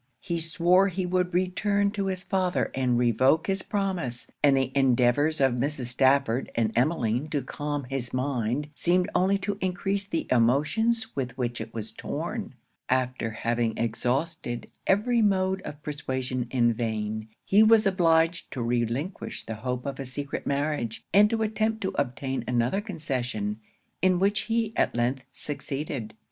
He swore he would return to his father and revoke his promise; and the endeavours of Mrs. Stafford and Emmeline to calm his mind seemed only to encrease the emotions with which it was torn. After having exhausted every mode of persuasion in vain, he was obliged to relinquish the hope of a secret marriage, and to attempt to obtain another concession, in which he at length succeeded.